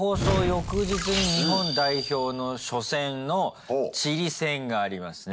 翌日に日本代表の初戦のチリ戦がありますね。